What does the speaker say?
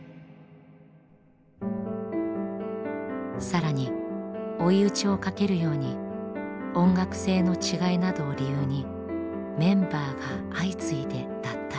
更に追い打ちをかけるように音楽性の違いなどを理由にメンバーが相次いで脱退。